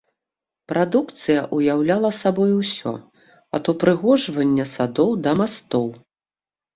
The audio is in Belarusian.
Прадукцыя ўяўляла сабою ўсё, ад упрыгожвання садоў да мастоў.